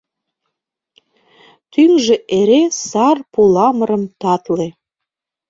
Тӱҥжӧ — эре сар-пуламырым татле.